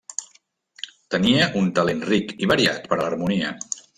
Tenia un talent ric i variat per a l'harmonia.